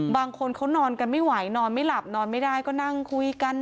บางคนเขานอนกันไม่ไหวนอนไม่หลับนอนไม่ได้ก็นั่งคุยกัน